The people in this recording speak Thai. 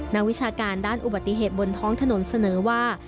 วิชาการด้านอุบัติเหตุบนท้องถนนเสนอว่า